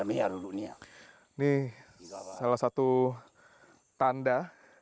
ini salah satu tanda